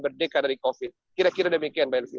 merdeka dari covid kira kira demikian mbak elvi